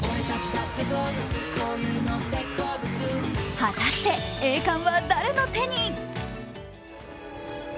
果たして栄冠は誰の手に？